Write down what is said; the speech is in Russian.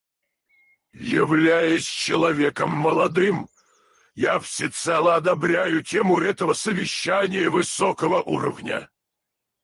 Являясь человеком молодым, я всецело одобряю тему этого совещания высокого уровня.